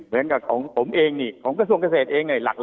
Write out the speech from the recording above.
เหมือนกับของผมเองนี่ของกระทรวงเกษตรเองเนี่ย